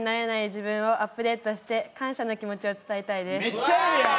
めっちゃええやん！